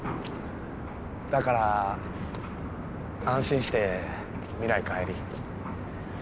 だから安心して未来帰り。